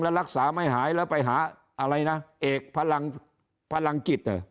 แล้วรักษาไม่หายแล้วไปหาอะไรนะเอกพลังพลังจิตอ่ะ